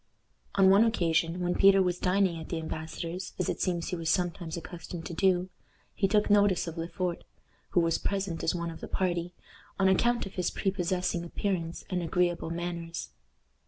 On one occasion, when Peter was dining at the embassador's as it seems he was sometimes accustomed to do he took notice of Le Fort, who was present as one of the party, on account of his prepossessing appearance and agreeable manners.